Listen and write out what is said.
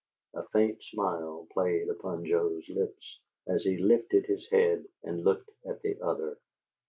A faint smile played upon Joe's lips as he lifted his head and looked at the other.